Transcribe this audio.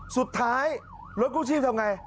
สุดท้ายรถกู้ชีพทำไง